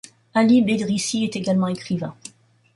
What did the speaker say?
Ali Bedrici est également écrivain.